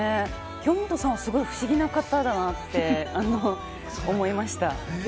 京本さんはすごい不思議な方だなと思いました。